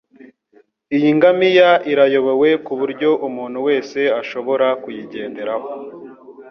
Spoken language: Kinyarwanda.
Iyi ngamiya irayobowe kuburyo umuntu wese ashobora kuyigenderaho.